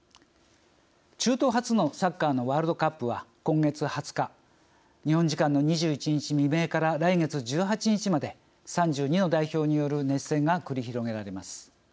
中東初のサッカーのワールドカップは、今月２０日日本時間の２１日未明から来月１８日まで３２の代表による熱戦が繰り広げられます。